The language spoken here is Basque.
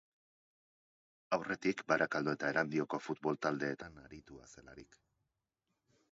Aurretik Barakaldo eta Erandioko futbol taldeetan aritua zelarik.